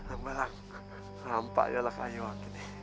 alamu alam rampaknya lah kayu sekarang ini